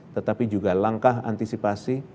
tetapi juga langkah antisipasi